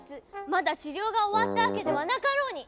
まだ治療が終わったわけではなかろうに！